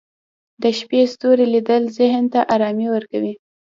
د شپې ستوري لیدل ذهن ته ارامي ورکوي